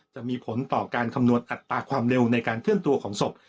จะมีผลต่อการคำนวณอัตราความเร็วในการเคลื่อนตัวของศพ